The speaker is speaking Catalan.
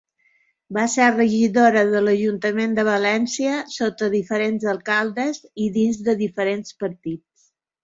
Va ser regidora de l'Ajuntament de València sota diferents alcaldes i dins de diferents partits.